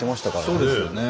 そうですよね。